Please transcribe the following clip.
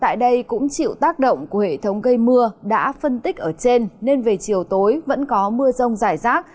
tại đây cũng chịu tác động của hệ thống gây mưa đã phân tích ở trên nên về chiều tối vẫn có mưa rông rải rác